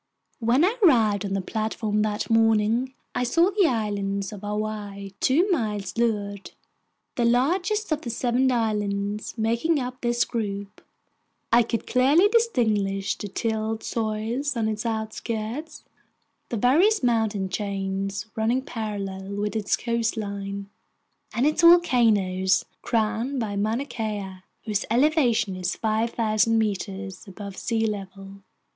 When I arrived on the platform that morning, I saw the Island of Hawaii two miles to leeward, the largest of the seven islands making up this group. I could clearly distinguish the tilled soil on its outskirts, the various mountain chains running parallel with its coastline, and its volcanoes, crowned by Mauna Kea, whose elevation is 5,000 meters above sea level.